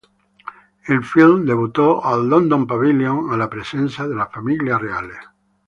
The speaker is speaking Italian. Il film debuttò al "London Pavillon" alla presenza della famiglia reale.